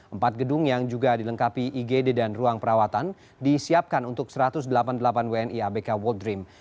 empat gedung yang juga dilengkapi igd dan ruang perawatan disiapkan untuk satu ratus delapan puluh delapan wni abk world dream